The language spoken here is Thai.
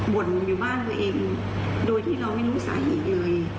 บ่นอยู่บ้านตัวเองโดยที่เราไม่รู้สาเหตุเลย